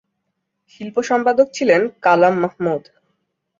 শিল্প সম্পাদক ছিলেন কালাম মাহমুদ।